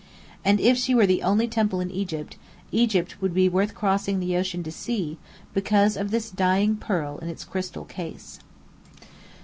And if she were the only temple in Egypt, Egypt would be worth crossing the ocean to see, because of this dying pearl in its crystal case.